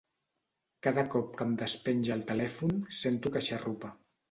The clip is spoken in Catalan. Cada cop que em despenja el telèfon sento que xarrupa.